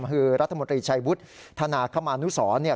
คือรัฐมนตรีชัยวุฒิธนาคมานุสรเนี่ย